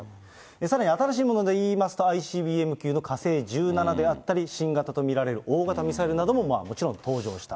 さらに、新しいものでいいますと、ＩＣＢＭ級の火星１７であったり、新型と見られる大型ミサイルなどももちろん登場したと。